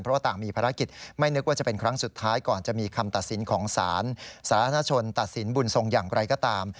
เพราะว่าต่างมีภารกิจไม่นึกว่าจะเป็นครั้งสุดท้ายก่อนจะมีคำตัดสินของศาลสาธารณชนตัดสินบุญทรงอย่างไรก็ตาม